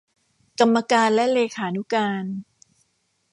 กรรมการและเลขานุการ